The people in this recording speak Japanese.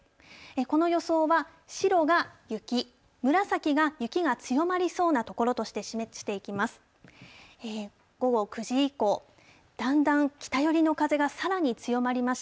この予想は、白が雪、紫が雪が強まりそうな所として示していきます。